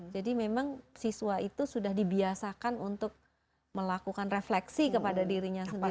jadi memang siswa itu sudah dibiasakan untuk melakukan refleksi kepada dirinya sendiri